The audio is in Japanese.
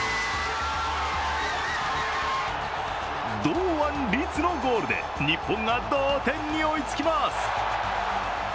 堂安律のゴールで日本が同点に追いつきます。